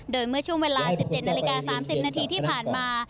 โดยเมื่อช่วงเวลา๑๗นาฬิกา๓๐นาทีที่ผ่านมา